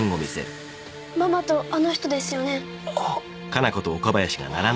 ママとあの人ですよねあっあぁ